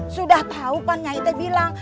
sudah tahu pan nya itu bilang